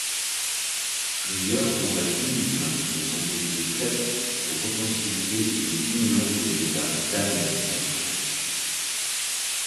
Plusieurs tentatives ont été faites pour reconstituer une union des États d'Amérique centrale.